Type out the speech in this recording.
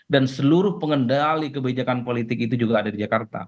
dan seluruh pengendali kebijakan politik itu juga ada di jakarta